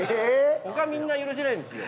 他はみんな許せないんですよ。